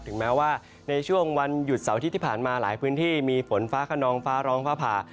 แม้ว่าในช่วงวันหยุดเสาร์อาทิตย์ที่ผ่านมาหลายพื้นที่มีฝนฟ้าขนองฟ้าร้องฟ้าผ่า